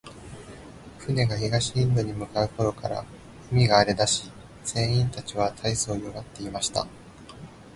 船が東インドに向う頃から、海が荒れだし、船員たちは大そう弱っていました。